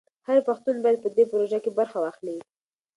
هر پښتون باید په دې پروژه کې برخه واخلي.